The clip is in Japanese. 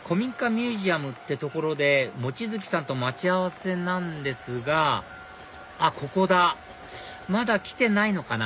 ミュージアムって所で望月さんと待ち合わせなんですがあっここだまだ来てないのかな？